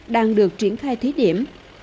đang được triển khai thiết